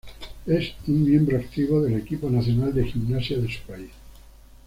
Es un miembro activo del equipo nacional de gimnasia de su país.